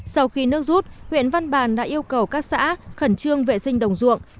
sau khi nước rút huyện văn bàn đã yêu cầu các xã khẩn trương vệ sinh đồng ruộng